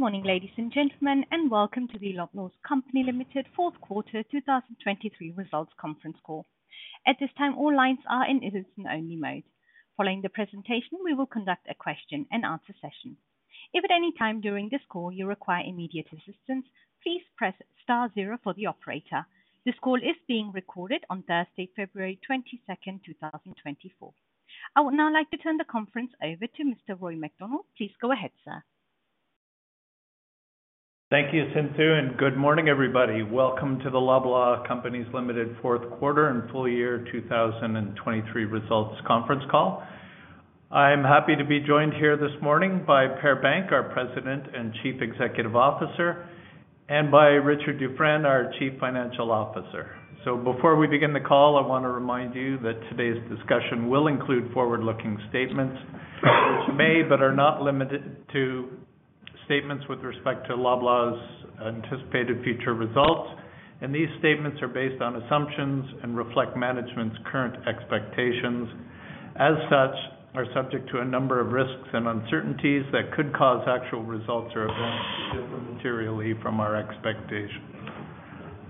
Good morning, ladies and gentlemen, and welcome to the Loblaw Companies Limited 4th Quarter 2023 results conference call. At this time, all lines are in listen-only mode. Following the presentation, we will conduct a question-and-answer session. If at any time during this call you require immediate assistance, please press star zero for the operator. This call is being recorded on Thursday, February 22, 2024. I would now like to turn the conference over to Mr. Roy MacDonald. Please go ahead, sir. Thank you, Cynthia, and good morning, everybody. Welcome to the Loblaw Companies Limited 4th Quarter and Full Year 2023 results conference call. I'm happy to be joined here this morning by Per Bank, our President and Chief Executive Officer, and by Richard Dufresne, our Chief Financial Officer. So before we begin the call, I want to remind you that today's discussion will include forward-looking statements, which may but are not limited to statements with respect to Loblaw's anticipated future results. And these statements are based on assumptions and reflect management's current expectations. As such, they are subject to a number of risks and uncertainties that could cause actual results or events to differ materially from our expectations.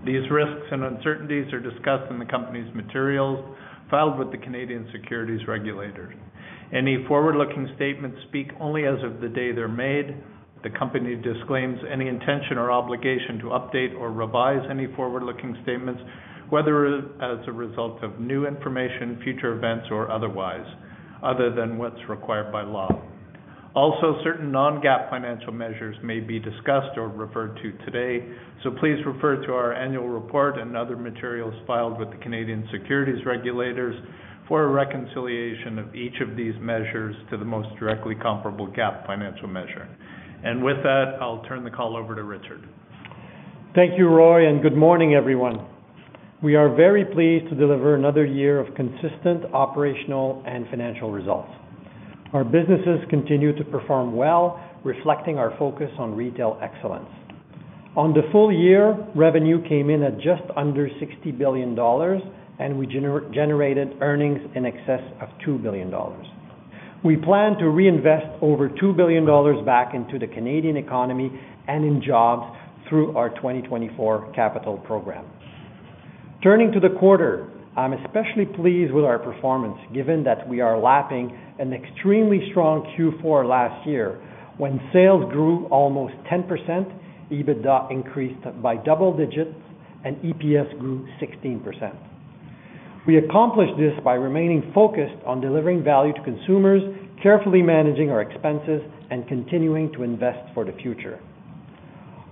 These risks and uncertainties are discussed in the company's materials, filed with the Canadian securities regulators. Any forward-looking statements speak only as of the day they're made. The company disclaims any intention or obligation to update or revise any forward-looking statements, whether as a result of new information, future events, or otherwise, other than what's required by law. Also, certain non-GAAP financial measures may be discussed or referred to today, so please refer to our annual report and other materials filed with the Canadian securities regulators for a reconciliation of each of these measures to the most directly comparable GAAP financial measure. With that, I'll turn the call over to Richard. Thank you, Roy, and good morning, everyone. We are very pleased to deliver another year of consistent operational and financial results. Our businesses continue to perform well, reflecting our focus on retail excellence. On the full year, revenue came in at just under 60 billion dollars, and we generated earnings in excess of 2 billion dollars. We plan to reinvest over 2 billion dollars back into the Canadian economy and in jobs through our 2024 capital program. Turning to the quarter, I'm especially pleased with our performance, given that we are lapping an extremely strong Q4 last year, when sales grew almost 10%, EBITDA increased by double digits, and EPS grew 16%. We accomplished this by remaining focused on delivering value to consumers, carefully managing our expenses, and continuing to invest for the future.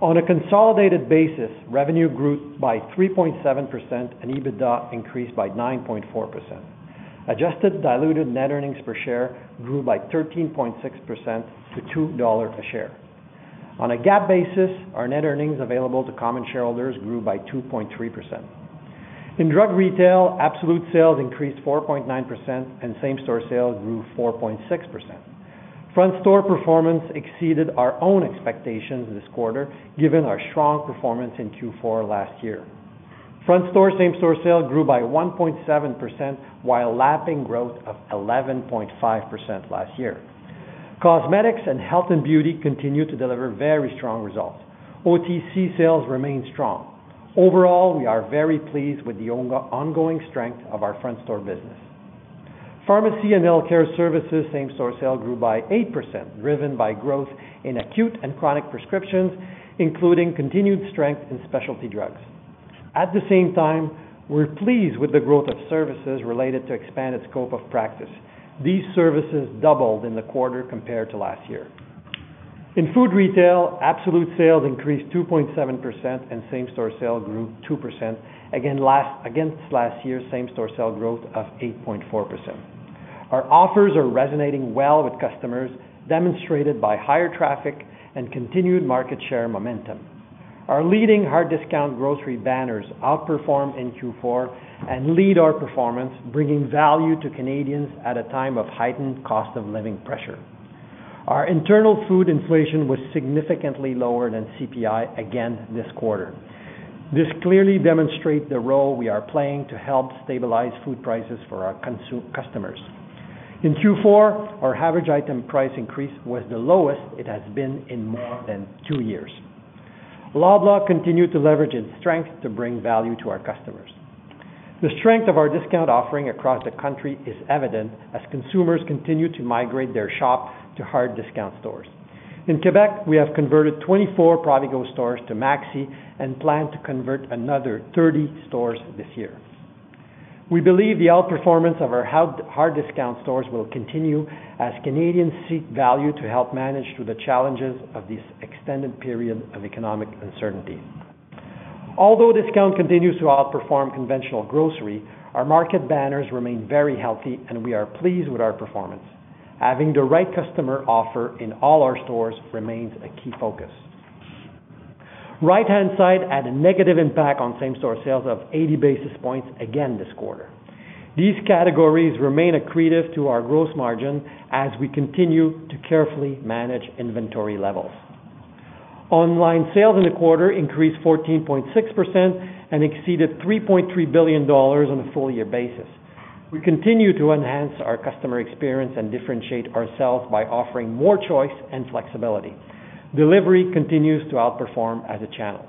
On a consolidated basis, revenue grew by 3.7%, and EBITDA increased by 9.4%. Adjusted diluted net earnings per share grew by 13.6% to 2 dollars a share. On a GAAP basis, our net earnings available to common shareholders grew by 2.3%. In drug retail, absolute sales increased 4.9%, and same-store sales grew 4.6%. Front-store performance exceeded our own expectations this quarter, given our strong performance in Q4 last year. Front-store same-store sales grew by 1.7%, while lapping growth of 11.5% last year. Cosmetics and health and beauty continue to deliver very strong results. OTC sales remain strong. Overall, we are very pleased with the ongoing strength of our front-store business. Pharmacy and healthcare services same-store sales grew by 8%, driven by growth in acute and chronic prescriptions, including continued strength in specialty drugs. At the same time, we're pleased with the growth of services related to expanded scope of practice. These services doubled in the quarter compared to last year. In food retail, absolute sales increased 2.7%, and same-store sales grew 2%, against last year's same-store sales growth of 8.4%. Our offers are resonating well with customers, demonstrated by higher traffic and continued market share momentum. Our leading hard discount grocery banners outperform in Q4 and lead our performance, bringing value to Canadians at a time of heightened cost-of-living pressure. Our internal food inflation was significantly lower than CPI again this quarter. This clearly demonstrates the role we are playing to help stabilize food prices for our consumer customers. In Q4, our average item price increase was the lowest it has been in more than two years. Loblaw continue to leverage its strength to bring value to our customers. The strength of our discount offering across the country is evident as consumers continue to migrate their shop to hard discount stores. In Quebec, we have converted 24 Provigo stores to Maxi and plan to convert another 30 stores this year. We believe the outperformance of our hard discount stores will continue as Canadians seek value to help manage through the challenges of this extended period of economic uncertainty. Although discount continues to outperform conventional grocery, our market banners remain very healthy, and we are pleased with our performance. Having the right customer offer in all our stores remains a key focus. Right-hand side had a negative impact on same-store sales of 80 basis points again this quarter. These categories remain accretive to our gross margin as we continue to carefully manage inventory levels. Online sales in the quarter increased 14.6% and exceeded 3.3 billion dollars on a full year basis. We continue to enhance our customer experience and differentiate ourselves by offering more choice and flexibility. Delivery continues to outperform as a channel.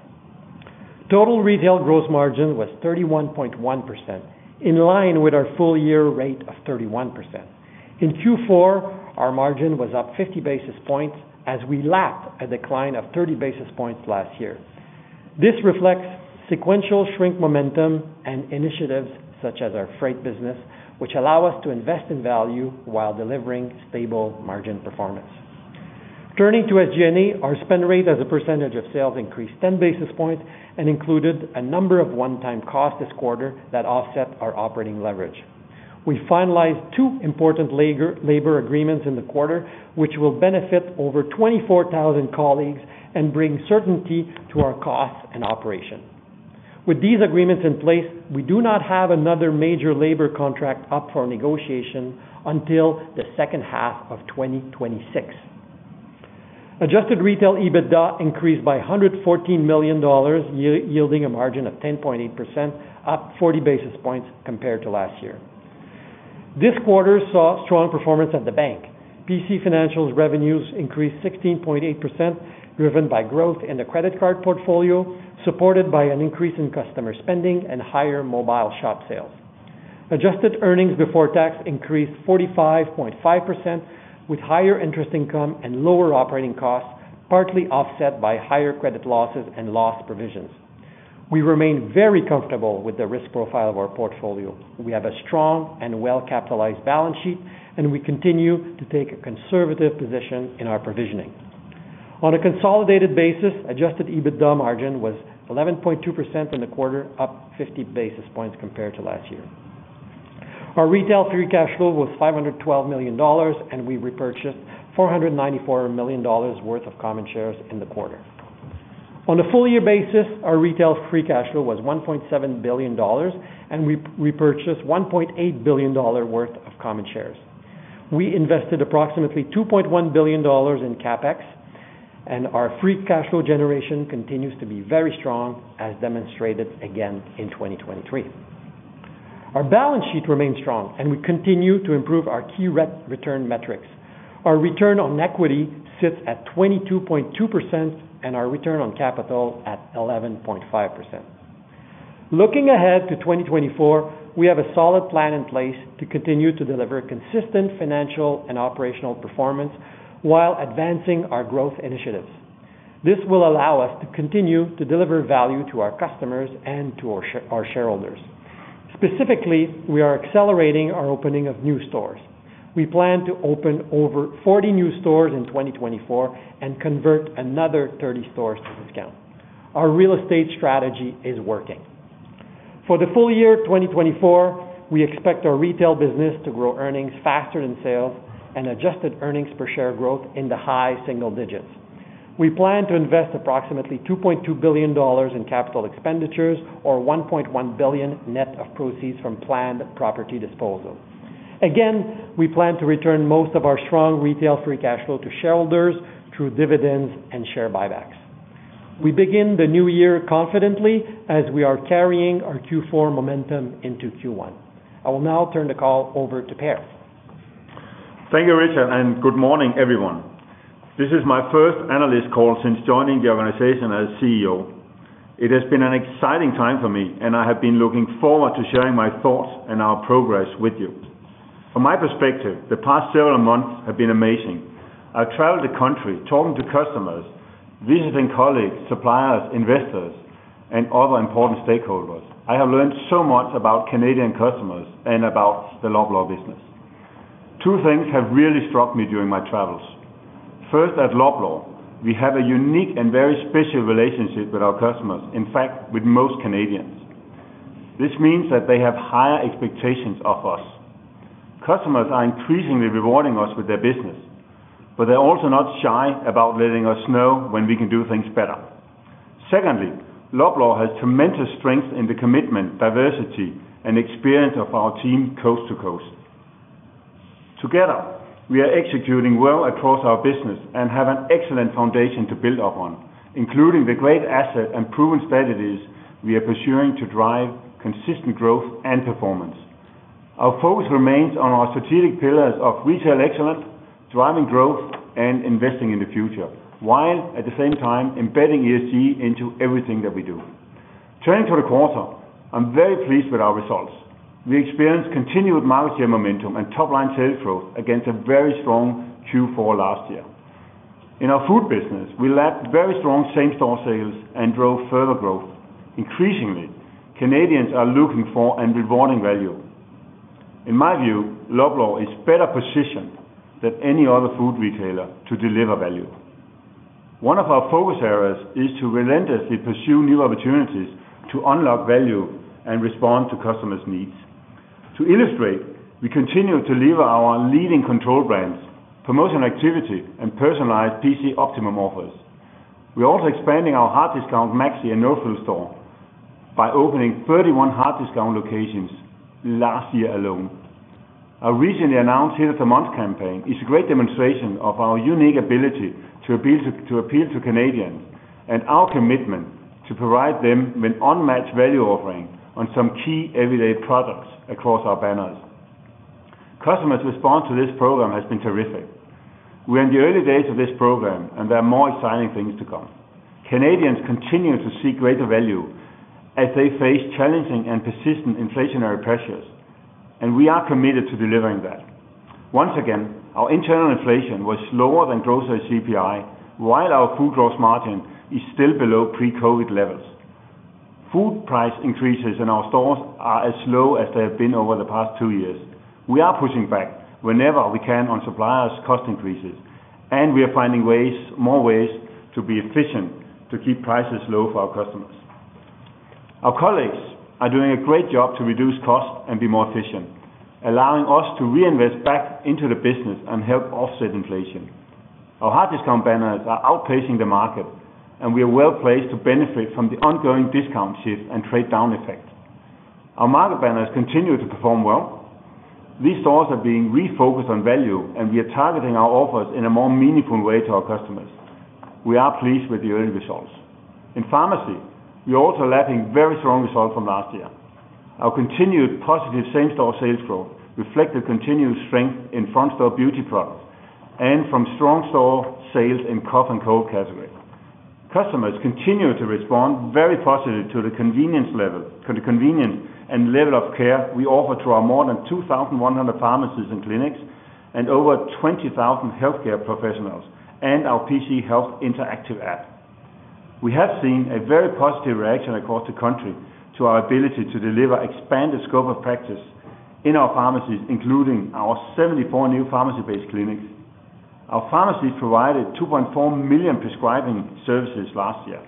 Total retail gross margin was 31.1%, in line with our full year rate of 31%. In Q4, our margin was up 50 basis points as we lapped a decline of 30 basis points last year. This reflects sequential shrink momentum and initiatives such as our freight business, which allow us to invest in value while delivering stable margin performance. Turning to SG&A, our spend rate as a percentage of sales increased 10 basis points and included a number of one-time costs this quarter that offset our operating leverage. We finalized two important labor agreements in the quarter, which will benefit over 24,000 colleagues and bring certainty to our costs and operation. With these agreements in place, we do not have another major labor contract up for negotiation until the second half of 2026. Adjusted retail EBITDA increased by 114 million dollars, yielding a margin of 10.8%, up 40 basis points compared to last year. This quarter saw strong performance at the bank. PC Financial's revenues increased 16.8%, driven by growth in the credit card portfolio, supported by an increase in customer spending and higher mobile shop sales. Adjusted earnings before tax increased 45.5%, with higher interest income and lower operating costs, partly offset by higher credit losses and loss provisions. We remain very comfortable with the risk profile of our portfolio. We have a strong and well-capitalized balance sheet, and we continue to take a conservative position in our provisioning. On a consolidated basis, adjusted EBITDA margin was 11.2% in the quarter, up 50 basis points compared to last year. Our retail free cash flow was 512 million dollars, and we repurchased 494 million dollars worth of common shares in the quarter. On a full year basis, our retail free cash flow was 1.7 billion dollars, and we repurchased 1.8 billion dollar worth of common shares. We invested approximately 2.1 billion dollars in CapEx, and our free cash flow generation continues to be very strong, as demonstrated again in 2023. Our balance sheet remains strong, and we continue to improve our key return metrics. Our return on equity sits at 22.2%, and our return on capital at 11.5%. Looking ahead to 2024, we have a solid plan in place to continue to deliver consistent financial and operational performance while advancing our growth initiatives. This will allow us to continue to deliver value to our customers and to our shareholders. Specifically, we are accelerating our opening of new stores. We plan to open over 40 new stores in 2024 and convert another 30 stores to discount. Our real estate strategy is working. For the full year 2024, we expect our retail business to grow earnings faster than sales and adjusted earnings per share growth in the high single digits. We plan to invest approximately 2.2 billion dollars in capital expenditures, or 1.1 billion net of proceeds from planned property disposal. Again, we plan to return most of our strong retail free cash flow to shareholders through dividends and share buybacks. We begin the new year confidently as we are carrying our Q4 momentum into Q1. I will now turn the call over to Per Bank. Thank you, Richard, and good morning, everyone. This is my first analyst call since joining the organization as CEO. It has been an exciting time for me, and I have been looking forward to sharing my thoughts and our progress with you. From my perspective, the past several months have been amazing. I've traveled the country talking to customers, visiting colleagues, suppliers, investors, and other important stakeholders. I have learned so much about Canadian customers and about the Loblaw business. Two things have really struck me during my travels. First, at Loblaw, we have a unique and very special relationship with our customers, in fact, with most Canadians. This means that they have higher expectations of us. Customers are increasingly rewarding us with their business, but they're also not shy about letting us know when we can do things better. Secondly, Loblaw has tremendous strengths in the commitment, diversity, and experience of our team coast to coast. Together, we are executing well across our business and have an excellent foundation to build upon, including the great asset and proven strategies we are pursuing to drive consistent growth and performance. Our focus remains on our strategic pillars of retail excellence, driving growth, and investing in the future, while at the same time embedding ESG into everything that we do. Turning to the quarter, I'm very pleased with our results. We experienced continued market share momentum and top-line sales growth against a very strong Q4 last year. In our food business, we lapped very strong same-store sales and drove further growth. Increasingly, Canadians are looking for and rewarding value. In my view, Loblaw is better positioned than any other food retailer to deliver value. One of our focus areas is to relentlessly pursue new opportunities to unlock value and respond to customers' needs. To illustrate, we continue to deliver our leading control brands, promotional activity, and personalized PC Optimum offers. We're also expanding our hard discount Maxi and No Frills stores by opening 31 hard discount locations last year alone. Our recently announced Hit of the Month campaign is a great demonstration of our unique ability to appeal to Canadians and our commitment to provide them with unmatched value offering on some key everyday products across our banners. Customers' response to this program has been terrific. We're in the early days of this program, and there are more exciting things to come. Canadians continue to seek greater value as they face challenging and persistent inflationary pressures, and we are committed to delivering that. Once again, our internal inflation was lower than grocery CPI, while our food gross margin is still below pre-COVID levels. Food price increases in our stores are as low as they have been over the past two years. We are pushing back whenever we can on suppliers' cost increases, and we are finding more ways to be efficient to keep prices low for our customers. Our colleagues are doing a great job to reduce costs and be more efficient, allowing us to reinvest back into the business and help offset inflation. Our hard discount banners are outpacing the market, and we are well placed to benefit from the ongoing discount shift and trade-down effect. Our market banners continue to perform well. These stores are being refocused on value, and we are targeting our offers in a more meaningful way to our customers. We are pleased with the early results. In pharmacy, we're also lapping very strong results from last year. Our continued positive same-store sales growth reflected continued strength in front-store beauty products and from front-store sales in cough and cold categories. Customers continue to respond very positively to the convenience and level of care we offer to our more than 2,100 pharmacies and clinics and over 20,000 healthcare professionals and our PC Health Interactive app. We have seen a very positive reaction across the country to our ability to deliver expanded scope of practice in our pharmacies, including our 74 new pharmacy-based clinics. Our pharmacies provided 2.4 million prescribing services last year.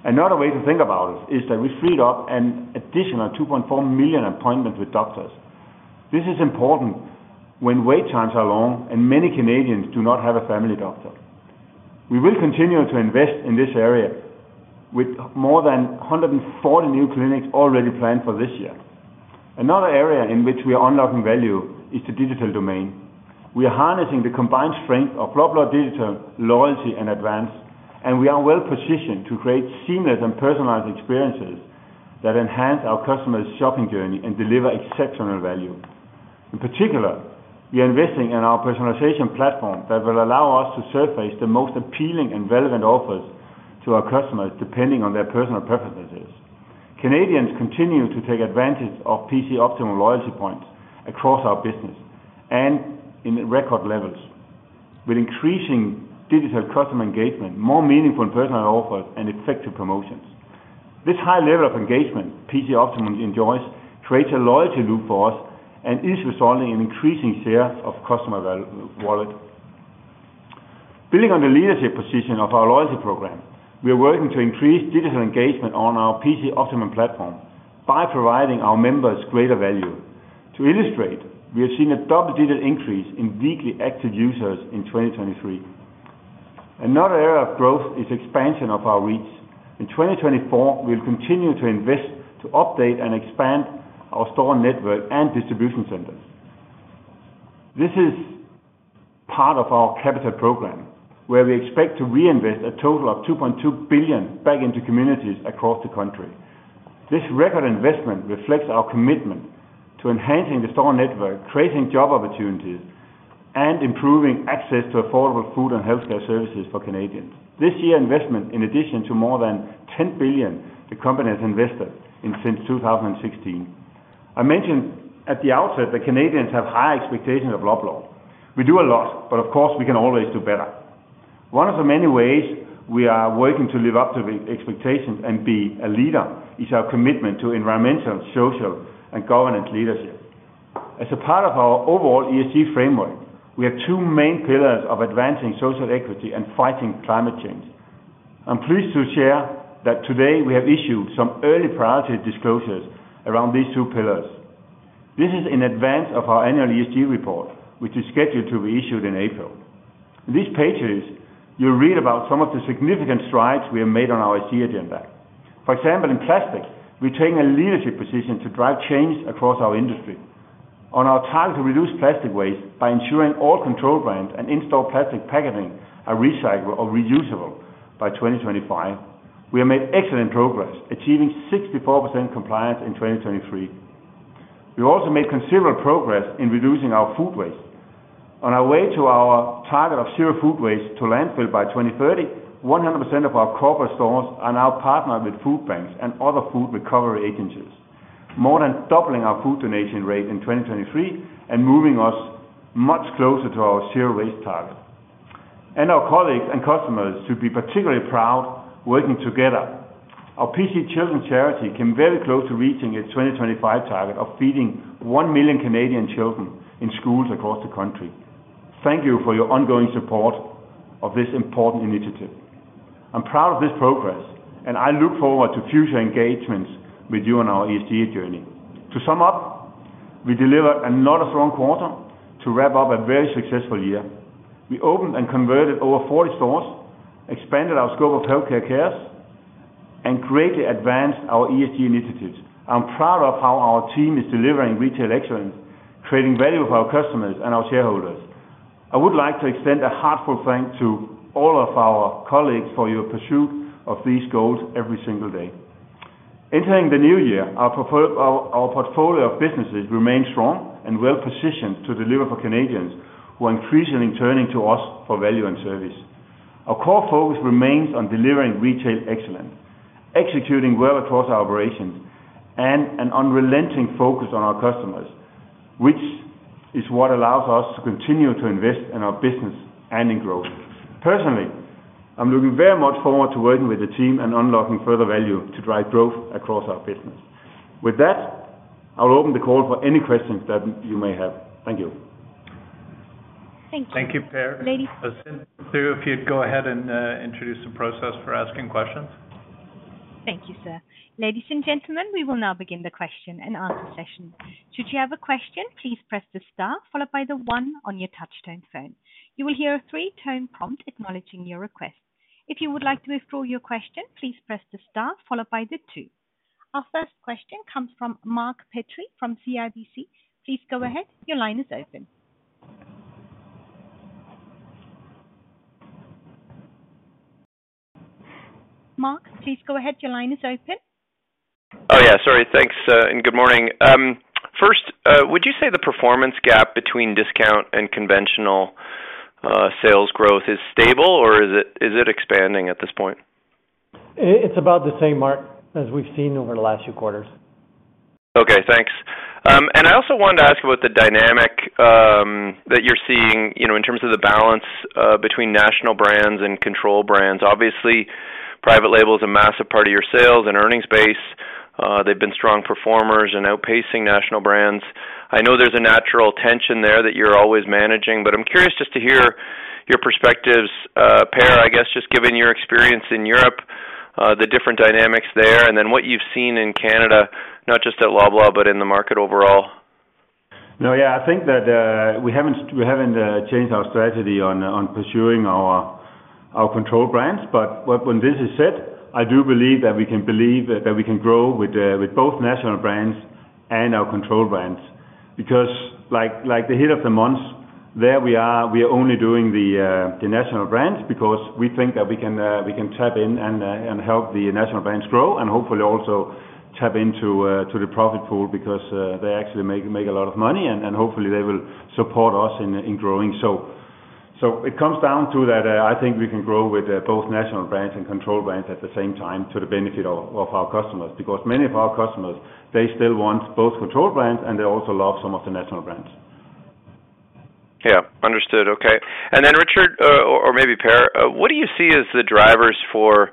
Another way to think about it is that we freed up an additional 2.4 million appointments with doctors. This is important when wait times are long and many Canadians do not have a family doctor. We will continue to invest in this area with more than 140 new clinics already planned for this year. Another area in which we are unlocking value is the digital domain. We are harnessing the combined strength of Loblaw Digital, loyalty, and Advance, and we are well positioned to create seamless and personalized experiences that enhance our customers' shopping journey and deliver exceptional value. In particular, we are investing in our personalization platform that will allow us to surface the most appealing and relevant offers to our customers, depending on their personal preferences. Canadians continue to take advantage of PC Optimum loyalty points across our business and in record levels, with increasing digital customer engagement, more meaningful and personalized offers, and effective promotions. This high level of engagement PC Optimum enjoys creates a loyalty loop for us and is resolving an increasing share of customer wallet. Building on the leadership position of our loyalty program, we are working to increase digital engagement on our PC Optimum platform by providing our members greater value. To illustrate, we have seen a double-digit increase in weekly active users in 2023. Another area of growth is expansion of our reach. In 2024, we will continue to invest to update and expand our store network and distribution centers. This is part of our capital program, where we expect to reinvest a total of 2.2 billion back into communities across the country. This record investment reflects our commitment to enhancing the store network, creating job opportunities, and improving access to affordable food and healthcare services for Canadians. This year's investment, in addition to more than 10 billion the company has invested in since 2016. I mentioned at the outset that Canadians have higher expectations of Loblaw. We do a lot, but of course, we can always do better. One of the many ways we are working to live up to expectations and be a leader is our commitment to environmental, social, and governance leadership. As a part of our overall ESG framework, we have two main pillars of advancing social equity and fighting climate change. I'm pleased to share that today we have issued some early priority disclosures around these two pillars. This is in Advance of our annual ESG report, which is scheduled to be issued in April. In these pages, you'll read about some of the significant strides we have made on our ESG agenda. For example, in plastic, we're taking a leadership position to drive change across our industry. On our target to reduce plastic waste by ensuring all control brands and in-store plastic packaging are recyclable or reusable by 2025, we have made excellent progress achieving 64% compliance in 2023. We've also made considerable progress in reducing our food waste. On our way to our target of zero food waste to landfill by 2030, 100% of our corporate stores are now partnered with food banks and other food recovery agencies, more than doubling our food donation rate in 2023 and moving us much closer to our zero waste target. And our colleagues and customers should be particularly proud working together. Our PC Children's Charity came very close to reaching its 2025 target of feeding 1 million Canadian children in schools across the country. Thank you for your ongoing support of this important initiative. I'm proud of this progress, and I look forward to future engagements with you on our ESG journey. To sum up, we delivered another strong quarter to wrap up a very successful year. We opened and converted over 40 stores, expanded our scope of health care services, and greatly advanced our ESG initiatives. I'm proud of how our team is delivering retail excellence, creating value for our customers and our shareholders. I would like to extend a heartfelt thank you to all of our colleagues for your pursuit of these goals every single day. Entering the new year, our portfolio of businesses remains strong and well positioned to deliver for Canadians who are increasingly turning to us for value and service. Our core focus remains on delivering retail excellence, executing well across our operations, and an unrelenting focus on our customers, which is what allows us to continue to invest in our business and in growth. Personally, I'm looking very much forward to working with the team and unlocking further value to drive growth across our business. With that, I'll open the call for any questions that you may have. Thank you. Thank you. Thank you, Per. Ladies. I'll send through if you'd go ahead and introduce the process for asking questions. Thank you, sir. Ladies and gentlemen, we will now begin the question and answer session. Should you have a question, please press the star followed by the one on your touch-tone phone. You will hear a three-tone prompt acknowledging your request. If you would like to withdraw your question, please press the star followed by the two. Our first question comes from Mark Petrie from CIBC. Please go ahead, your line is open. Mark, please go ahead, your line is open. Oh, yeah. Sorry. Thanks, and good morning. First, would you say the performance gap between discount and conventional sales growth is stable, or is it expanding at this point? It's about the same, Mark, as we've seen over the last few quarters. Okay, thanks. And I also wanted to ask about the dynamic that you're seeing in terms of the balance between national brands and control brands. Obviously, private label is a massive part of your sales and earnings base. They've been strong performers and outpacing national brands. I know there's a natural tension there that you're always managing, but I'm curious just to hear your perspectives, Per, I guess, just given your experience in Europe, the different dynamics there, and then what you've seen in Canada, not just at Loblaw but in the market overall. No, yeah. I think that we haven't changed our strategy on pursuing our control brands. But when this is said, I do believe that we can grow with both national brands and our control brands. Because like the Hit of the Month, there we are only doing the national brands because we think that we can tap in and help the national brands grow and hopefully also tap into the profit pool because they actually make a lot of money, and hopefully they will support us in growing. So it comes down to that I think we can grow with both national brands and control brands at the same time to the benefit of our customers because many of our customers, they still want both control brands, and they also love some of the national brands. Yeah, understood. Okay. And then, Richard, or maybe Per, what do you see as the drivers for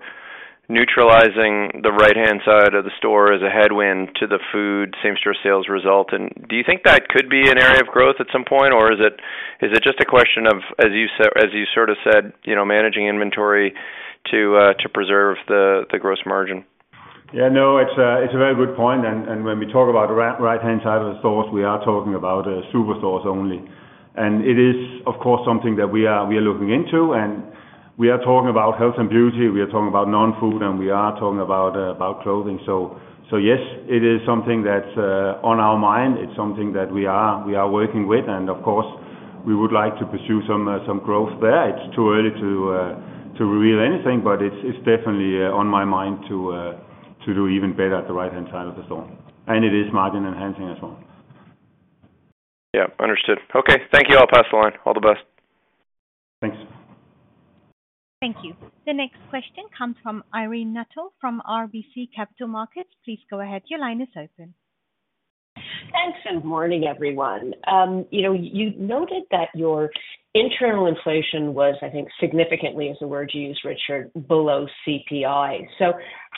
neutralizing the right-hand side of the store as a headwind to the food same-store sales result? And do you think that could be an area of growth at some point, or is it just a question of, as you sort of said, managing inventory to preserve the gross margin? Yeah, no, it's a very good point. And when we talk about right-hand side of the stores, we are talking about superstores only. And it is, of course, something that we are looking into. And we are talking about health and beauty. We are talking about non-food, and we are talking about clothing. So yes, it is something that's on our mind. It's something that we are working with. And of course, we would like to pursue some growth there. It's too early to reveal anything, but it's definitely on my mind to do even better at the right-hand side of the store. And it is margin enhancing as well. Yeah, understood. Okay. Thank you. I'll pass the line. All the best. Thanks. Thank you. The next question comes from Irene Nattel from RBC Capital Markets. Please go ahead. Your line is open. Thanks. Good morning, everyone. You noted that your internal inflation was, I think, significantly, is the word you use, Richard, below CPI. So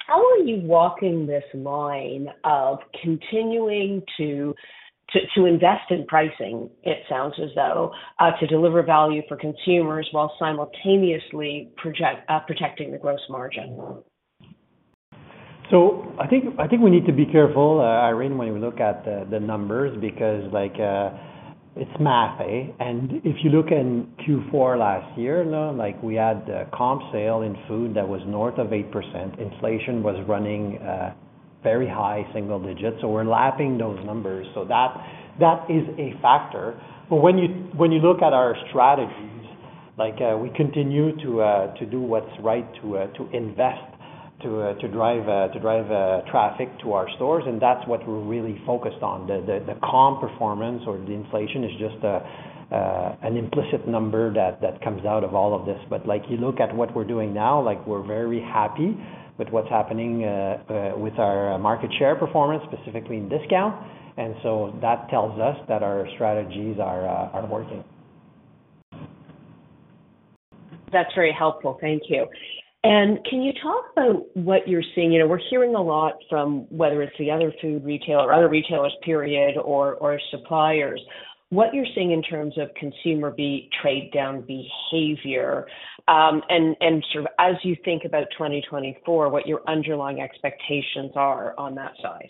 how are you walking this line of continuing to invest in pricing, it sounds as though, to deliver value for consumers while simultaneously protecting the gross margin? So I think we need to be careful, Irene, when you look at the numbers because it's math. And if you look in Q4 last year, we had the comp sale in food that was north of 8%. Inflation was running very high single digits. So we're lapping those numbers. So that is a factor. But when you look at our strategies, we continue to do what's right to invest, to drive traffic to our stores. And that's what we're really focused on. The comp performance or the inflation is just an implicit number that comes out of all of this. But you look at what we're doing now, we're very happy with what's happening with our market share performance, specifically in discount. And so that tells us that our strategies are working. That's very helpful. Thank you. Can you talk about what you're seeing? We're hearing a lot from whether it's the other food retailer or other retailers, period, or suppliers, what you're seeing in terms of consumer trade-down behavior and sort of as you think about 2024, what your underlying expectations are on that side.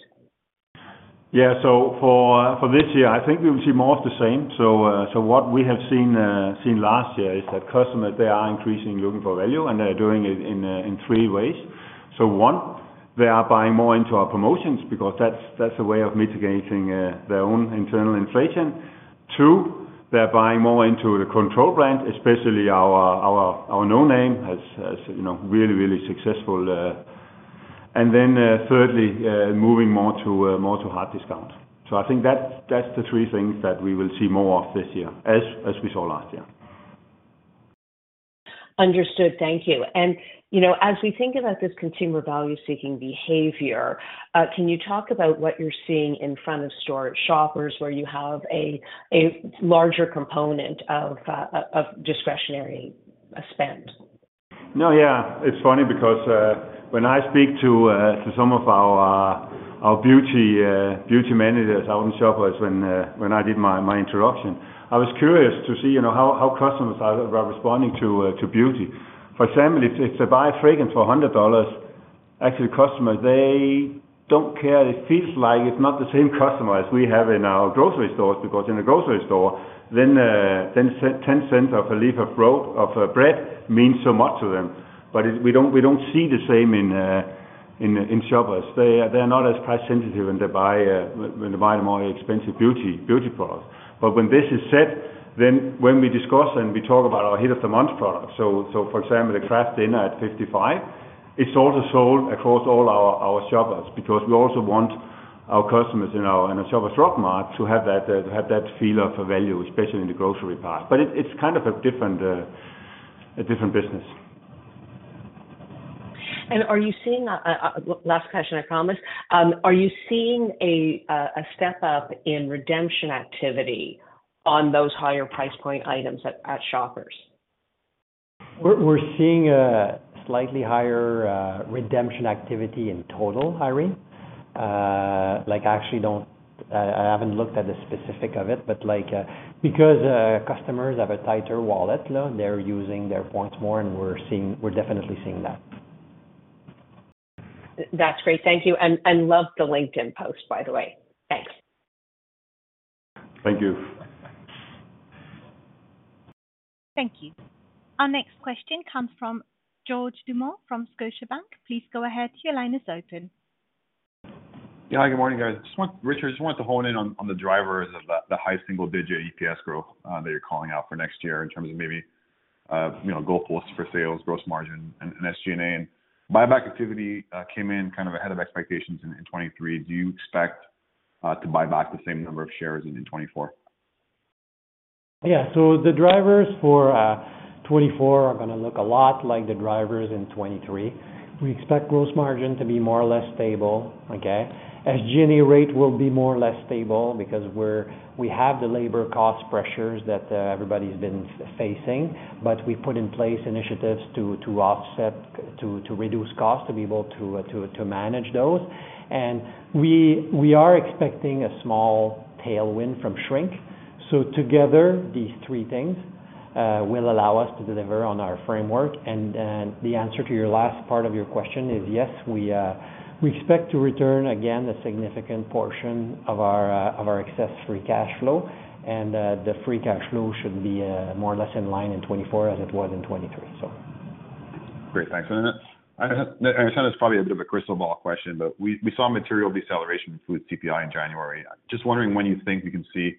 Yeah. So for this year, I think we will see more of the same. So what we have seen last year is that customers, they are increasingly looking for value, and they're doing it in three ways. So one, they are buying more into our promotions because that's a way of mitigating their own internal inflation. Two, they're buying more into the control brand, especially our no name has really, really successful. And then thirdly, moving more to hard discount. So I think that's the three things that we will see more of this year as we saw last year. Understood. Thank you. And as we think about this consumer value-seeking behavior, can you talk about what you're seeing in front of store shoppers where you have a larger component of discretionary spend? No, yeah. It's funny because when I speak to some of our beauty managers out in Shoppers when I did my introduction, I was curious to see how customers are responding to beauty. For example, if they buy a fragrance for 100 dollars, actually, customers, they don't care. It feels like it's not the same customer as we have in our grocery stores because in a grocery store, then 0.10 of a loaf of bread means so much to them. But we don't see the same in Shoppers. They are not as price-sensitive when they buy the more expensive beauty products. But when this is said, then when we discuss and we talk about our Hit of the Month product, so for example, the Kraft Dinner at 0.55, it's also sold across all our Shoppers because we also want our customers in our Shoppers Drug Mart to have that feel of value, especially in the grocery part. But it's kind of a different business. Last question, I promise. Are you seeing a step up in redemption activity on those higher price point items at Shoppers? We're seeing a slightly higher redemption activity in total, Irene. I actually haven't looked at the specifics of it, but because customers have a tighter wallet, they're using their points more, and we're definitely seeing that. That's great. Thank you. And love the LinkedIn post, by the way. Thanks. Thank you. Thank you. Our next question comes from George Doumet from Scotiabank. Please go ahead. Your line is open. Yeah, hi. Good morning, guys. Richard, I just wanted to hone in on the drivers of the high single-digit EPS growth that you're calling out for next year in terms of maybe goalposts for sales, gross margin, and SG&A. Buyback activity came in kind of ahead of expectations in 2023. Do you expect to buy back the same number of shares in 2024? Yeah. So the drivers for 2024 are going to look a lot like the drivers in 2023. We expect gross margin to be more or less stable. Okay? SG&A rate will be more or less stable because we have the labor cost pressures that everybody's been facing, but we put in place initiatives to reduce costs to be able to manage those. And we are expecting a small tailwind from shrink. So together, these three things will allow us to deliver on our framework. And the answer to your last part of your question is yes, we expect to return again a significant portion of our excess free cash flow, and the free cash flow should be more or less in line in 2024 as it was in 2023, so. Great. Thanks. I understand it's probably a bit of a crystal ball question, but we saw material deceleration in food CPI in January. Just wondering when you think we can see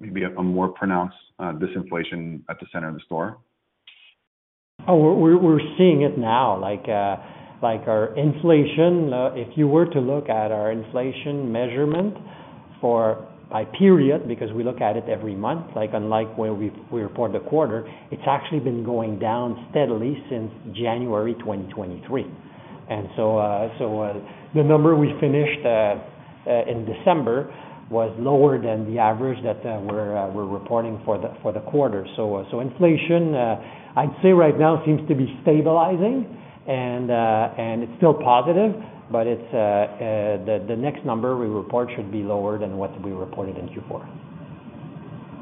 maybe a more pronounced disinflation at the center of the store? Oh, we're seeing it now. If you were to look at our inflation measurement by period because we look at it every month, unlike where we report the quarter, it's actually been going down steadily since January 2023. And so the number we finished in December was lower than the average that we're reporting for the quarter. So inflation, I'd say right now, seems to be stabilizing, and it's still positive, but the next number we report should be lower than what we reported in Q4.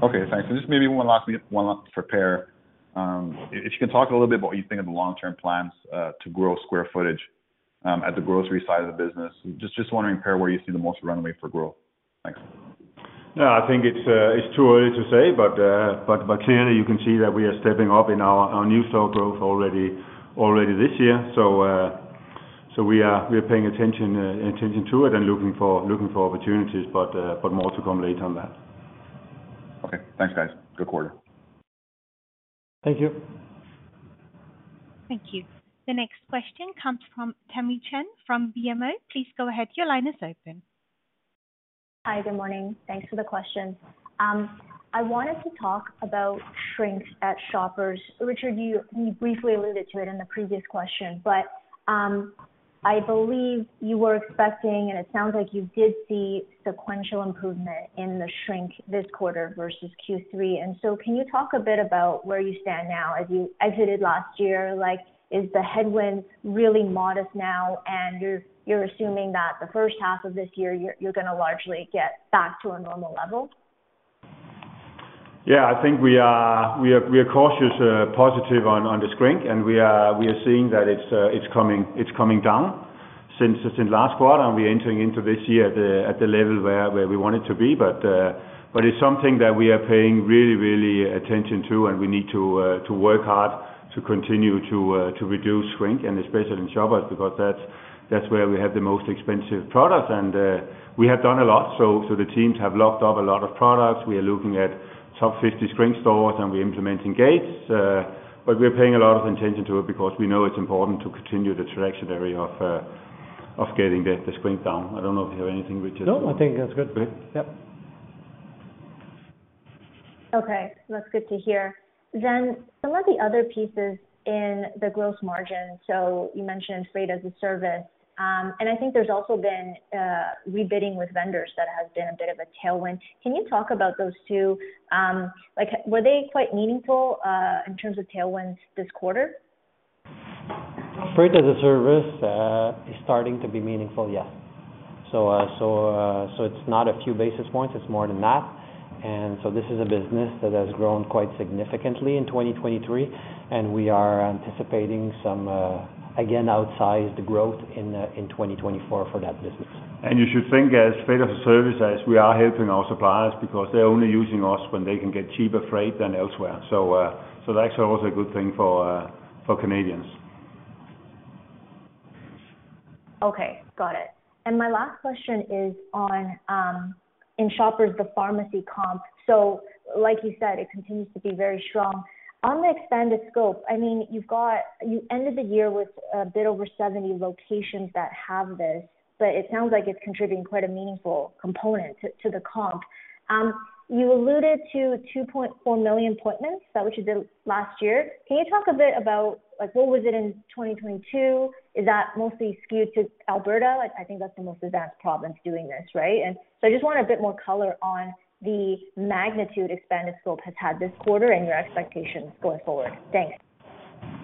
Okay, thanks. And just maybe one last thing for Per. If you can talk a little bit about what you think of the long-term plans to grow square footage at the grocery side of the business. Just wondering, Per, where you see the most runway for growth. Thanks. Yeah, I think it's too early to say, but clearly, you can see that we are stepping up in our new store growth already this year. So we are paying attention to it and looking for opportunities, but more to come later on that. Okay. Thanks, guys. Good quarter. Thank you. Thank you. The next question comes from Tammy Chen from BMO. Please go ahead. Your line is open. Hi. Good morning. Thanks for the question. I wanted to talk about shrink at Shoppers. Richard, you briefly alluded to it in the previous question, but I believe you were expecting, and it sounds like you did see sequential improvement in the shrink this quarter versus Q3. Can you talk a bit about where you stand now? As you exited last year, is the headwind really modest now, and you're assuming that the first half of this year, you're going to largely get back to a normal level? Yeah, I think we are cautious positive on the shrink, and we are seeing that it's coming down since last quarter, and we're entering into this year at the level where we want it to be. But it's something that we are paying really, really attention to, and we need to work hard to continue to reduce shrink, and especially in Shoppers because that's where we have the most expensive products. And we have done a lot. So the teams have locked up a lot of products. We are looking at top 50 shrink stores, and we're implementing gates. But we're paying a lot of attention to it because we know it's important to continue the traction area of getting the shrink down. I don't know if you have anything, Richard. No, I think that's good. Yep. Okay. That's good to hear. Then some of the other pieces in the gross margin, so you mentioned Freight-as-a-Service. I think there's also been rebidding with vendors that has been a bit of a tailwind. Can you talk about those two? Were they quite meaningful in terms of tailwind this quarter? Freight-as-a-Service is starting to be meaningful, yes. So it's not a few basis points. It's more than that. And so this is a business that has grown quite significantly in 2023, and we are anticipating some, again, outsized growth in 2024 for that business. You should think of Freight-as-a-Service, as we are helping our suppliers because they're only using us when they can get cheaper freight than elsewhere. That's also a good thing for Canadians. Okay. Got it. And my last question is in Shoppers, the pharmacy comp. So like you said, it continues to be very strong. On the expanded scope, I mean, you ended the year with a bit over 70 locations that have this, but it sounds like it's contributing quite a meaningful component to the comp. You alluded to 2.4 million appointments. That was your deal last year. Can you talk a bit about what was it in 2022? Is that mostly skewed to Alberta? I think that's the most advanced province doing this, right? And so I just want a bit more color on the magnitude expanded scope has had this quarter and your expectations going forward. Thanks.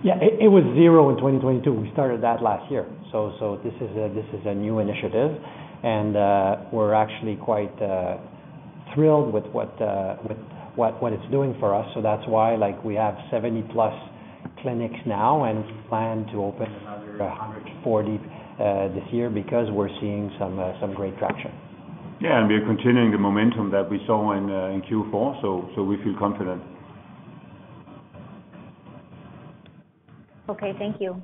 Yeah. It was 0 in 2022. We started that last year. So this is a new initiative, and we're actually quite thrilled with what it's doing for us. So that's why we have 70+ clinics now and plan to open another 140 this year because we're seeing some great traction. Yeah. And we are continuing the momentum that we saw in Q4, so we feel confident. Okay. Thank you.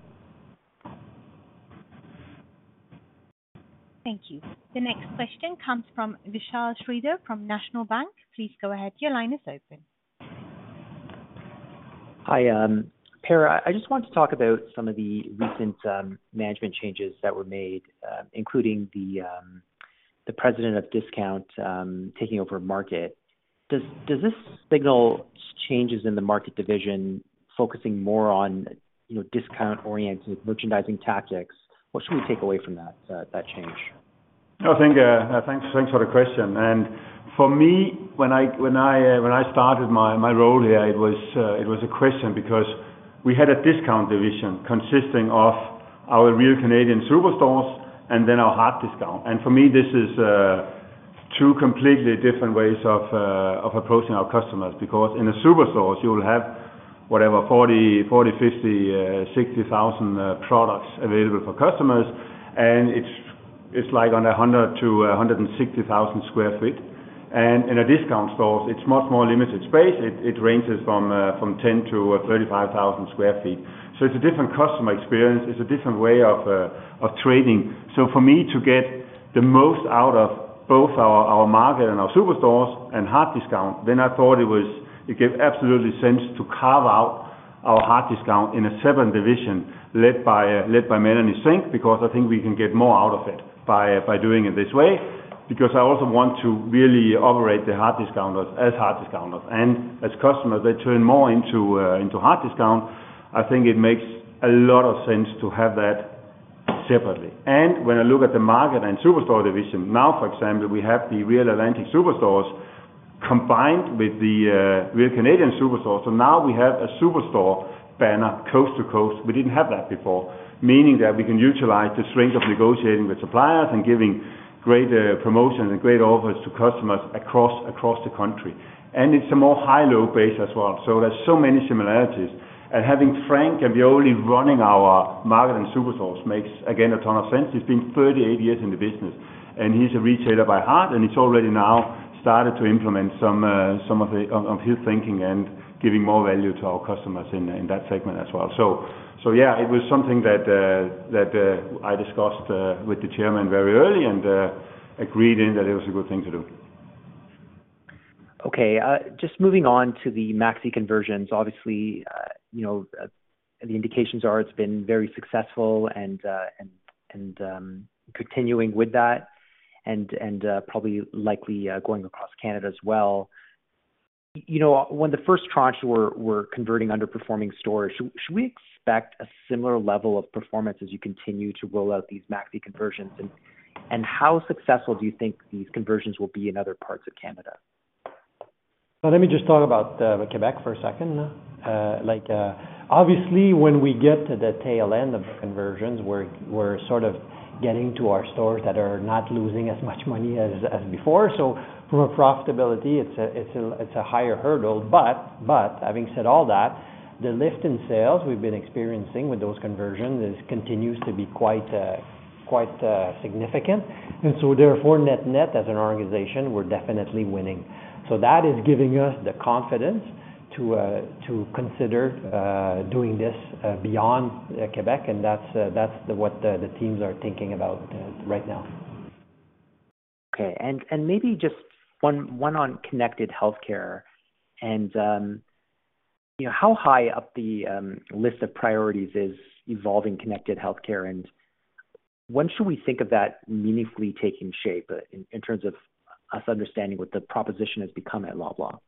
Thank you. The next question comes from Vishal Shreedhar from National Bank. Please go ahead. Your line is open. Hi, Per. I just wanted to talk about some of the recent management changes that were made, including the president of discount taking over market. Does this signal changes in the market division focusing more on discount-oriented merchandising tactics? What should we take away from that change? No, thanks for the question. For me, when I started my role here, it was a question because we had a discount division consisting of our Real Canadian Superstores and then our hard discount. For me, this is two completely different ways of approaching our customers because in the superstores, you will have whatever 40,000, 50,000, 60,000 products available for customers, and it's like on 100,000-160,000 sq ft. In the discount stores, it's much more limited space. It ranges from 10,000-35,000 sq ft. It's a different customer experience. It's a different way of trading. So for me to get the most out of both our Market and our Superstores and Hard Discount, then I thought it made absolute sense to carve out our Hard Discount as a separate division led by Melanie Singh because I think we can get more out of it by doing it this way because I also want to really operate the hard discounters as hard discounters. And as customers, they turn more into hard discount. I think it makes a lot of sense to have that separately. And when I look at the Market and Superstore Division now, for example, we have the Real Atlantic Superstores combined with the Real Canadian Superstores. So now we have a superstore banner coast to coast. We didn't have that before, meaning that we can utilize the shrink of negotiating with suppliers and giving great promotions and great offers to customers across the country. And it's a more high-low base as well. So there's so many similarities. And having Frank and me only running our market and superstores makes, again, a ton of sense. He's been 38 years in the business, and he's a retailer by heart, and he's already now started to implement some of his thinking and giving more value to our customers in that segment as well. So yeah, it was something that I discussed with the chairman very early and agreed in that it was a good thing to do. Okay. Just moving on to the Maxi conversions. Obviously, the indications are it's been very successful and continuing with that and probably likely going across Canada as well. When the first tranche were converting underperforming stores, should we expect a similar level of performance as you continue to roll out these Maxi conversions? And how successful do you think these conversions will be in other parts of Canada? Now, let me just talk about Quebec for a second. Obviously, when we get to the tail end of the conversions, we're sort of getting to our stores that are not losing as much money as before. So from a profitability, it's a higher hurdle. But having said all that, the lift in sales we've been experiencing with those conversions continues to be quite significant. And so therefore, net-net, as an organization, we're definitely winning. So that is giving us the confidence to consider doing this beyond Quebec, and that's what the teams are thinking about right now. Okay. And maybe just one on connected healthcare. And how high up the list of priorities is evolving connected healthcare? And when should we think of that meaningfully taking shape in terms of us understanding what the proposition has become at Loblaw?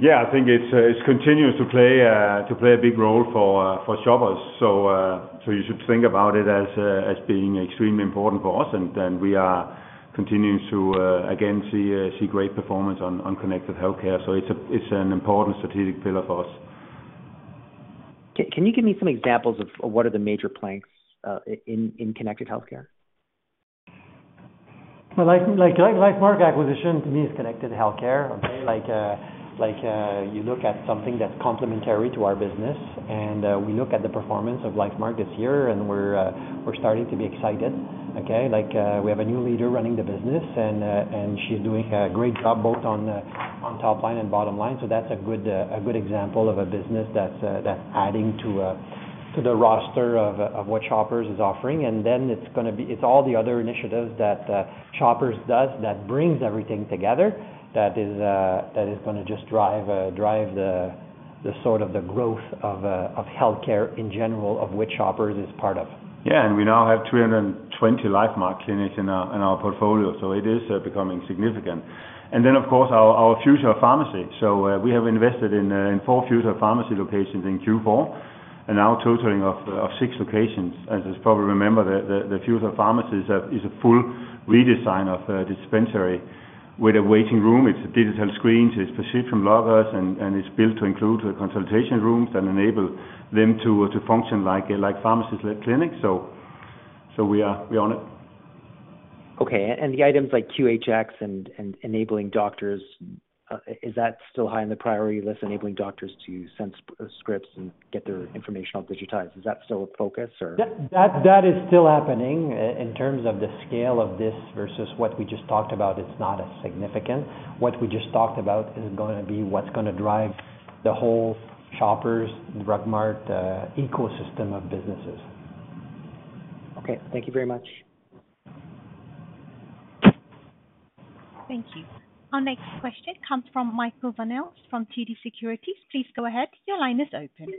Yeah, I think it continues to play a big role for shoppers. So you should think about it as being extremely important for us. We are continuing to, again, see great performance on connected healthcare. So it's an important strategic pillar for us. Can you give me some examples of what are the major planks in connected healthcare? Well, like Lifemark acquisition, to me, is connected healthcare. Okay? You look at something that's complementary to our business, and we look at the performance of Lifemark this year, and we're starting to be excited. Okay? We have a new leader running the business, and she's doing a great job both on top line and bottom line. So that's a good example of a business that's adding to the roster of what Shoppers is offering. And then it's going to be it's all the other initiatives that Shoppers does that brings everything together that is going to just drive the sort of the growth of healthcare in general of which Shoppers is part of. Yeah. And we now have 320 Lifemark clinics in our portfolio, so it is becoming significant. And then, of course, our future pharmacy. So we have invested in 4 future pharmacy locations in Q4 and now totaling of 6 locations. As you probably remember, the future pharmacy is a full redesign of dispensary with a waiting room. It's digital screens. It's perceived from loggers, and it's built to include consultation rooms that enable them to function like pharmacy clinics. So we are on it. Okay. And the items like QHR and enabling doctors, is that still high on the priority list, enabling doctors to send scripts and get their information all digitized? Is that still a focus, or? That is still happening in terms of the scale of this versus what we just talked about. It's not as significant. What we just talked about is going to be what's going to drive the whole Shoppers Drug Mart ecosystem of businesses. Okay. Thank you very much. Thank you. Our next question comes from Michael Van Aelst from TD Securities. Please go ahead. Your line is open.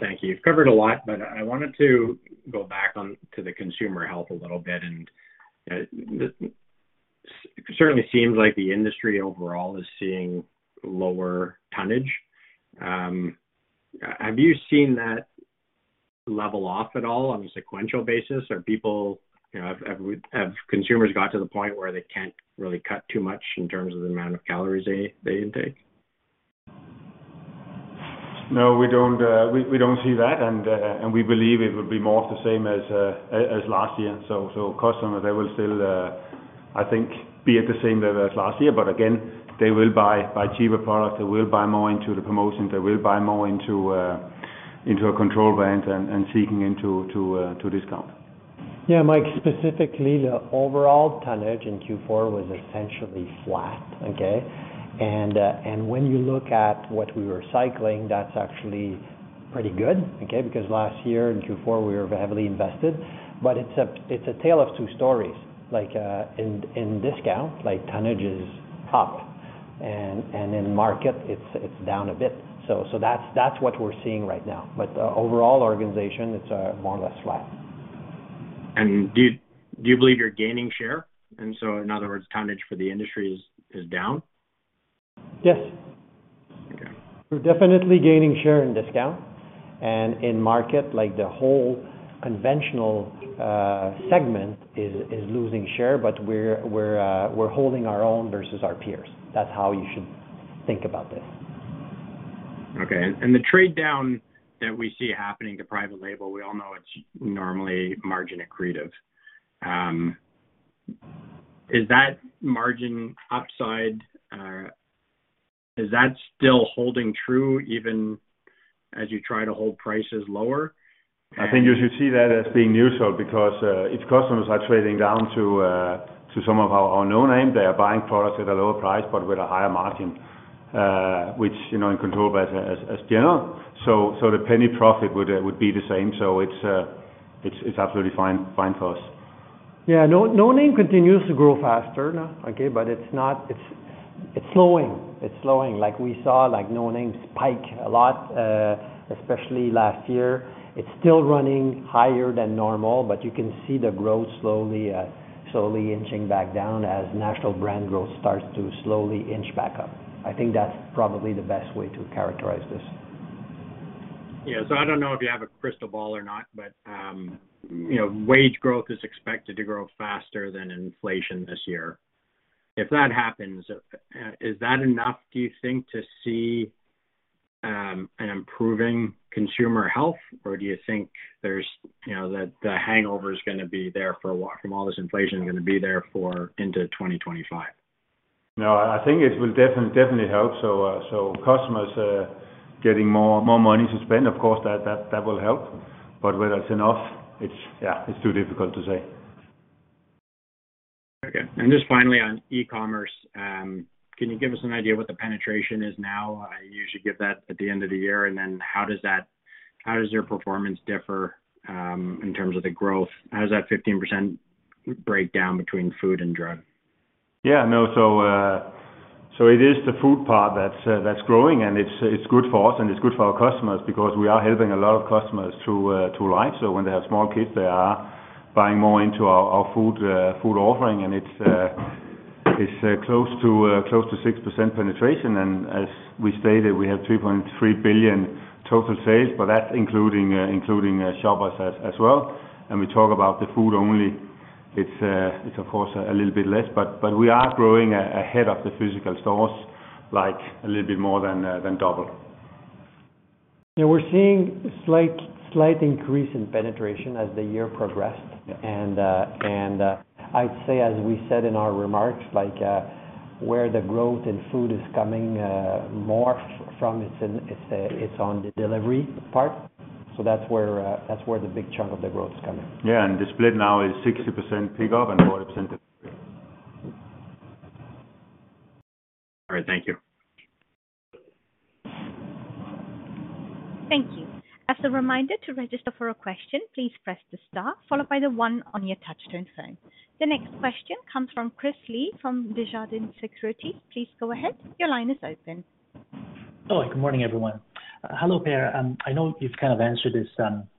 Thank you. You've covered a lot, but I wanted to go back to the consumer health a little bit. It certainly seems like the industry overall is seeing lower tonnage. Have you seen that level off at all on a sequential basis? Have consumers got to the point where they can't really cut too much in terms of the amount of calories they intake? No, we don't see that. And we believe it will be more of the same as last year. So customers, they will still, I think, be at the same level as last year. But again, they will buy cheaper products. They will buy more into the promotions. They will buy more into a control brand and seeking into discount. Yeah, Mike. Specifically, the overall tonnage in Q4 was essentially flat. Okay? When you look at what we were cycling, that's actually pretty good because last year in Q4, we were heavily invested. It's a tale of two stories. In discount, tonnage is up, and in market, it's down a bit. That's what we're seeing right now. Overall organization, it's more or less flat. Do you believe you're gaining share? So in other words, tonnage for the industry is down? Yes. We're definitely gaining share in discount. In market, the whole conventional segment is losing share, but we're holding our own versus our peers. That's how you should think about this. Okay. And the trade-down that we see happening to private label, we all know it's normally margin accretive. Is that margin upside? Is that still holding true even as you try to hold prices lower? I think you should see that as being usual because if customers are trading down to some of our no name, they are buying products at a lower price but with a higher margin, which, in control brands, is general. So the penny profit would be the same. So it's absolutely fine for us. Yeah. No name continues to grow faster, okay, but it's slowing. It's slowing. We saw no name spike a lot, especially last year. It's still running higher than normal, but you can see the growth slowly inching back down as national brand growth starts to slowly inching back up. I think that's probably the best way to characterize this. Yeah. So I don't know if you have a crystal ball or not, but wage growth is expected to grow faster than inflation this year. If that happens, is that enough, do you think, to see an improving consumer health, or do you think the hangover is going to be there from all this inflation for into 2025? No, I think it will definitely help. So customers getting more money to spend, of course, that will help. But whether it's enough, yeah, it's too difficult to say. Okay. And just finally on e-commerce, can you give us an idea what the penetration is now? I usually give that at the end of the year. And then how does your performance differ in terms of the growth? How does that 15% breakdown between food and drug? Yeah. No. So it is the food part that's growing, and it's good for us, and it's good for our customers because we are helping a lot of customers through life. So when they have small kids, they are buying more into our food offering, and it's close to 6% penetration. And as we stated, we have 3.3 billion total sales, but that's including Shoppers as well. And we talk about the food only. It's, of course, a little bit less, but we are growing ahead of the physical stores a little bit more than double. Yeah. We're seeing a slight increase in penetration as the year progressed. I'd say, as we said in our remarks, where the growth in food is coming more from, it's on the delivery part. That's where the big chunk of the growth is coming. Yeah. And the split now is 60% pickup and 40% delivery. All right. Thank you. Thank you. As a reminder, to register for a question, please press the star, followed by the 1 on your touchscreen phone. The next question comes from Chris Li from Desjardins Securities. Please go ahead. Your line is open. Hello. Good morning, everyone. Hello, Per. I know you've kind of answered this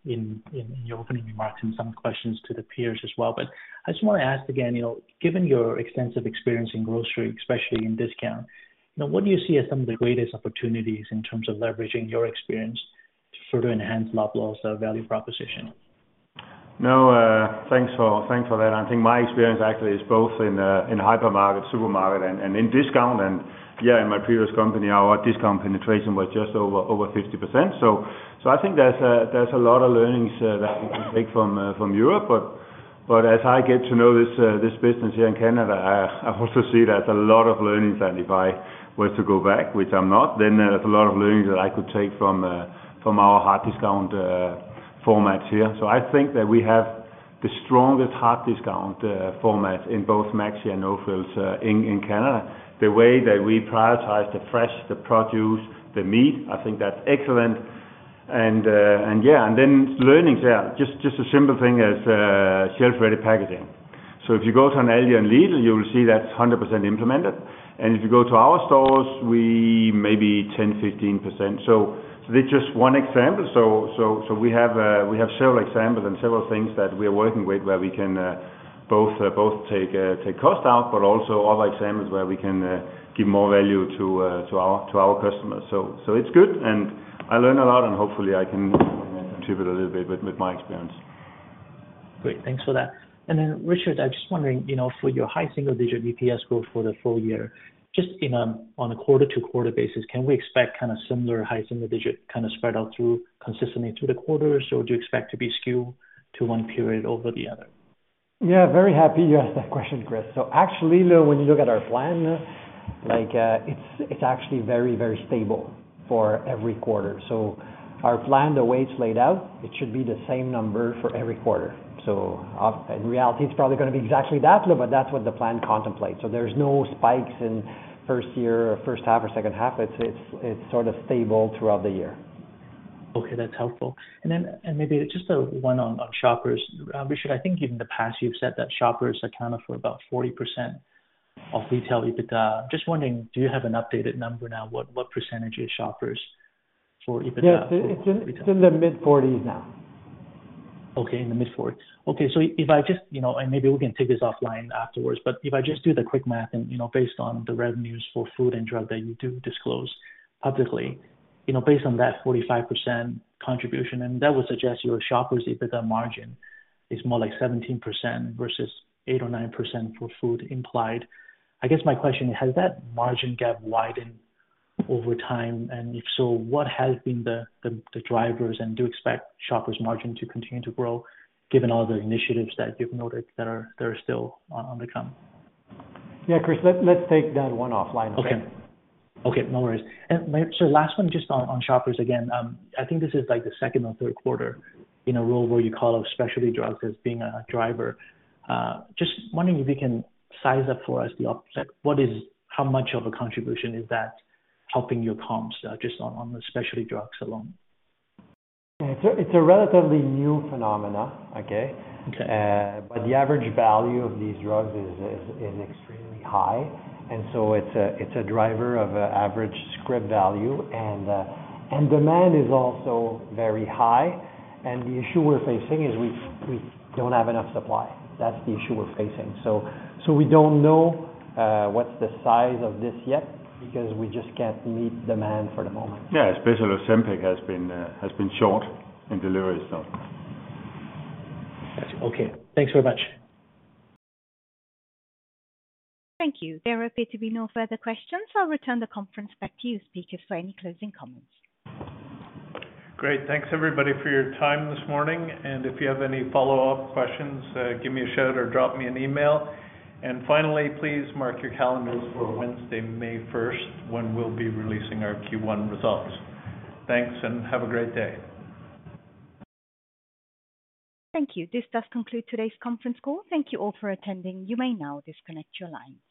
in your opening remarks and some questions to the peers as well, but I just want to ask again, given your extensive experience in grocery, especially in discount, what do you see as some of the greatest opportunities in terms of leveraging your experience to further enhance Loblaw's value proposition? No, thanks for that. I think my experience actually is both in hypermarket, supermarket, and in discount. And yeah, in my previous company, our discount penetration was just over 50%. So I think there's a lot of learnings that we can take from Europe. But as I get to know this business here in Canada, I also see there's a lot of learnings. And if I was to go back, which I'm not, then there's a lot of learnings that I could take from our hard discount formats here. So I think that we have the strongest hard discount formats in both Maxi and No Frills in Canada. The way that we prioritize the fresh, the produce, the meat, I think that's excellent. And yeah. And then learnings, yeah, just a simple thing as shelf-ready packaging. So if you go to an Aldi and Lidl, you will see that's 100% implemented. If you go to our stores, maybe 10%-15%. It's just one example. We have several examples and several things that we are working with where we can both take cost out but also other examples where we can give more value to our customers. It's good, and I learn a lot, and hopefully, I can contribute a little bit with my experience. Great. Thanks for that. And then Richard, I'm just wondering, for your high single-digit EPS growth for the full year, just on a quarter-to-quarter basis, can we expect kind of similar high single-digit kind of spread out consistently through the quarters? Or do you expect to be skewed to one period over the other? Yeah. Very happy you asked that question, Chris. So actually, when you look at our plan, it's actually very, very stable for every quarter. So our plan, the way it's laid out, it should be the same number for every quarter. So in reality, it's probably going to be exactly that, but that's what the plan contemplates. So there's no spikes in first year, first half, or second half. It's sort of stable throughout the year. Okay. That's helpful. And then maybe just one on Shoppers. Richard, I think in the past, you've said that Shoppers accounted for about 40% of retail EBITDA. I'm just wondering, do you have an updated number now? What percentage is Shoppers for EBITDA for retail? Yeah. It's in the mid-40s now. Okay. In the mid-40s. Okay. So if I just maybe we can take this offline afterwards. But if I just do the quick math based on the revenues for food and drug that you do disclose publicly, based on that 45% contribution and that would suggest your Shoppers' EBITDA margin is more like 17% versus 8% or 9% for food implied. I guess my question is, has that margin gap widened over time? And if so, what has been the drivers, and do you expect Shoppers' margin to continue to grow given all the initiatives that you've noted that are still undertaken? Yeah, Chris. Let's take that one offline. Okay. Okay. No worries. So last one, just on Shoppers again. I think this is the second or third quarter in a row where you call out specialty drugs as being a driver. Just wondering if you can size up for us how much of a contribution is that helping your comps just on the specialty drugs alone? Yeah. It's a relatively new phenomenon, okay? But the average value of these drugs is extremely high. And so it's a driver of average script value. And demand is also very high. And the issue we're facing is we don't have enough supply. That's the issue we're facing. So we don't know what's the size of this yet because we just can't meet demand for the moment. Yeah. Especially Ozempic has been short in deliveries now. Got you. Okay. Thanks very much. Thank you. There appear to be no further questions. I'll return the conference back to you, speakers, for any closing comments. Great. Thanks, everybody, for your time this morning. If you have any follow-up questions, give me a shout or drop me an email. Finally, please mark your calendars for Wednesday, May 1st, when we'll be releasing our Q1 results. Thanks, and have a great day. Thank you. This does conclude today's conference call. Thank you all for attending. You may now disconnect your lines.